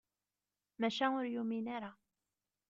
Maca ur yumin ara.